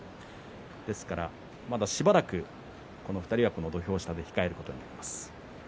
ですから、まだしばらくこの２人は、この土俵下に控えることになります。